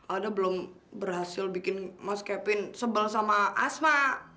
alda belum berhasil bikin mas kevin sebel sama asma